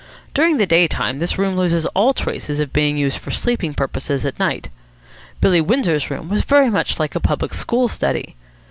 During the daytime this one room loses all traces of being used for sleeping purposes at night. Billy Windsor's room was very much like a public school study.